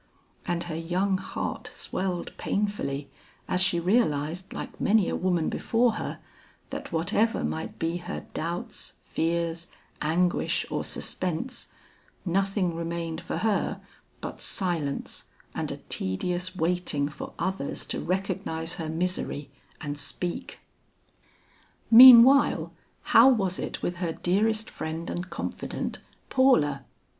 And her young heart swelled painfully as she realized like many a woman before her, that whatever might be her doubts, fears, anguish or suspense, nothing remained for her but silence and a tedious waiting for others to recognize her misery and speak. Meanwhile how was it with her dearest friend and confident, Paula?